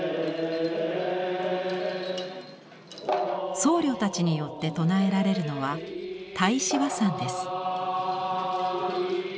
僧侶たちによって唱えられるのは太子和讃です。